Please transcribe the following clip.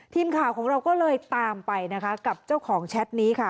ทีมข่าวของเราก็เลยตามไปนะคะกับเจ้าของแชทนี้ค่ะ